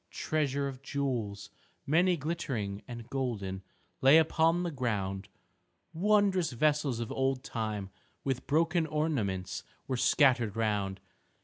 Treasure of jewels, many glittering and golden, lay upon the ground. Wondrous vessels of old time with broken ornaments were scattered round.